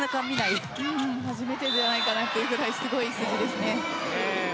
初めてじゃないかなというぐらいすごい数字ですね。